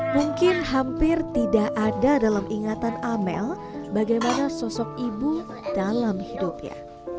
mungkin hampir tidak ada dalam ingatan amel bagaimana sosok ibu dalam hidupnya